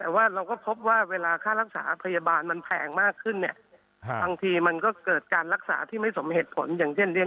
แต่ว่าเราก็พบว่าเวลาค่ารักษาพยาบาลมันแพงมากขึ้นเนี่ย